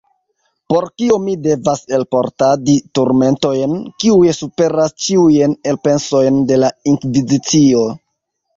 Por kio mi devas elportadi turmentojn, kiuj superas ĉiujn elpensojn de la inkvizicio?